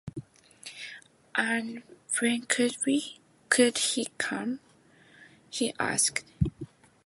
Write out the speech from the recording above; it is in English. “And when could he come?” he asked.